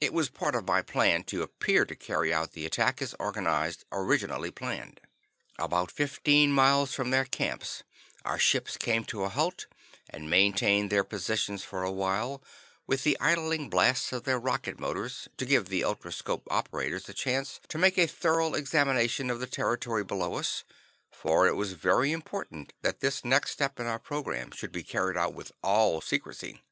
It was part of my plan to appear to carry out the attack as originally planned. About fifteen miles from their camps our ships came to a halt and maintained their positions for a while with the idling blasts of their rocket motors, to give the ultroscope operators a chance to make a thorough examination of the territory below us, for it was very important that this next step in our program should be carried out with all secrecy.